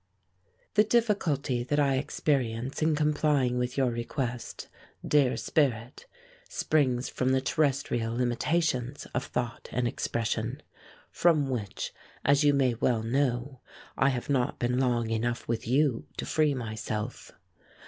The difficulty that I experience in complying with your request, dear spirit, springs from the terrestrial limitations of thought and expression, from which, as you may well know, I have not been long enough with you to free myself.